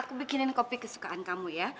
aku bikinin kopi kesukaan kamu ya